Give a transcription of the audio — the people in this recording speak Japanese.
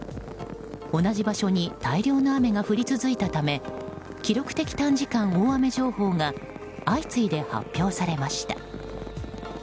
同じ場所に大量の雨が降り続いたため記録的短時間大雨情報が相次いで発表されました。